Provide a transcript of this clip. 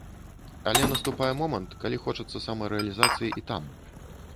Але наступае момант, калі хочацца самарэалізацыі і там.